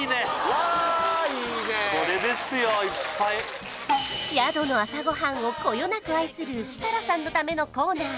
これですよいっぱい宿の朝ごはんをこよなく愛する設楽さんのためのコーナー